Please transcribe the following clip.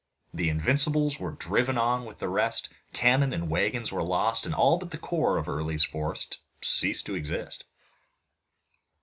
The Invincibles were driven on with the rest, cannon and wagons were lost, and all but the core of Early's force ceased to exist.